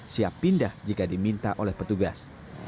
siap pindah jika diminta oleh petugas